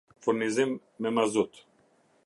furnizim me mazut